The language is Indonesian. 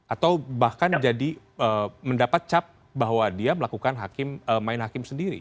atau bahkan jadi mendapat cap bahwa dia melakukan main hakim sendiri